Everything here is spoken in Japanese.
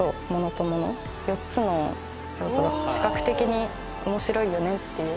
４つの要素が視覚的に面白いよねっていう。